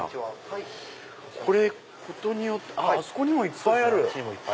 これあっあそこにもいっぱいある。